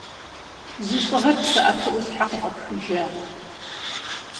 Жьыщӏыгъэр псыӏэтыӏэу щхьэ къыфӏэпхыжа?